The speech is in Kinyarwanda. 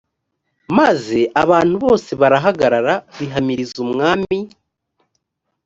maze abantu bose barahagarara bihamiriza umwami